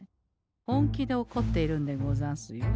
本気でおこっているんでござんすよ。